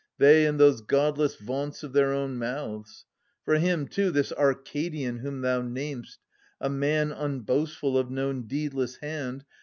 They and those godless vaunts of their own mouths. For him too, this Arcadian whom thou nam'st, A man unboastful, of no deedless hand.